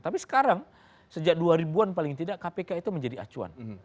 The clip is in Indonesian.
tapi sekarang sejak dua ribu an paling tidak kpk itu menjadi acuan